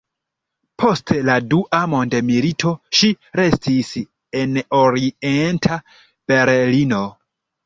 Post la Dua mondmilito ŝi restis en Orienta Berlino.